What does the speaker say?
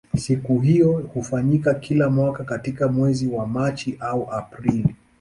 Siku hiyo hufanyika kila mwaka katika mwezi wa Machi au Aprili.